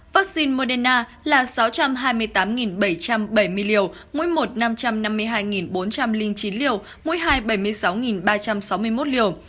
vaccine moderna là sáu trăm hai mươi tám bảy trăm bảy mươi liều mỗi một năm trăm năm mươi hai bốn trăm linh chín liều mũi hai bảy mươi sáu ba trăm sáu mươi một liều